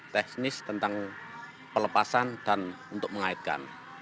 teknis tentang pelepasan dan untuk mengaitkan